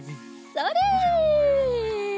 それ！